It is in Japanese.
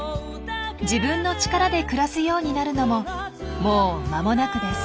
自分の力で暮らすようになるのももう間もなくです。